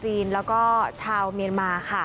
ผมยังอยากรู้ว่าว่ามันไล่ยิงคนทำไมวะ